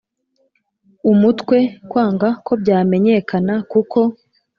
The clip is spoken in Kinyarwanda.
umutwe kwanga ko byamenyekana kuko